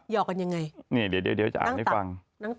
หยอกกันยังไงนั่งตักกันนี่เดี๋ยวจะอ่านให้ฟัง